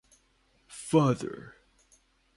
Father.